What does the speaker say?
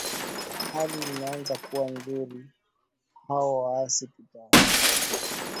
hali imeanza kuwa nzuri hao waasi tutawashinda